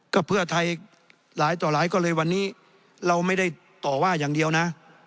ก็เพื่อไทยหลายต่อหลายก็เลยวันนี้เราไม่ได้ต่อว่าอย่างเดียวนะ